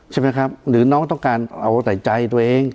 ใช่ไหมครับหรือน้องต้องการเอาแต่ใจตัวเอง